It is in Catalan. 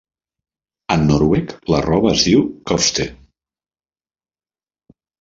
En noruec la roba es diu "kofte".